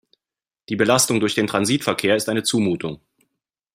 Die Belastung durch den Transitverkehr ist eine Zumutung.